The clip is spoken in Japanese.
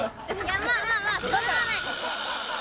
まあまあまあそれはない。